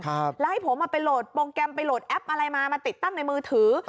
แล้วให้ผมอ่ะไปโหลดโปรแกรมไปโหลดแอปอะไรมามาติดตั้งในมือถือ